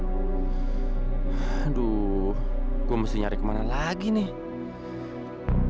aduh gue mesti nyari kemana lagi nih